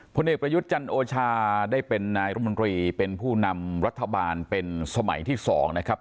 ผลเอกประยุทธ์จันโอชาได้เป็นนายรมนตรีเป็นผู้นำรัฐบาลเป็นสมัยที่๒นะครับ